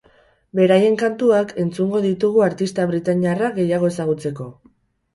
Beraien kantuak entzungo ditugu artista britainiarra gehiago ezagutzeko.